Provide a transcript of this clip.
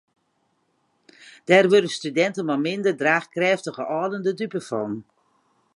Dêr wurde studinten mei minder draachkrêftige âlden de dupe fan.